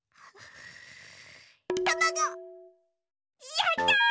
やった！